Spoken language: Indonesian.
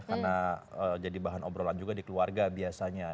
karena jadi bahan obrolan juga di keluarga biasanya